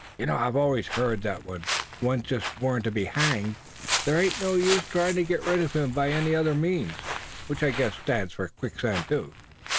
I always heard that when one's just born to be hanged there ain't no use tryin' to get rid of him by any other means; which I guess stands for quicksand too."